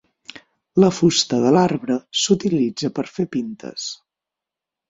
La fusta de l'arbre s'utilitza per fer pintes.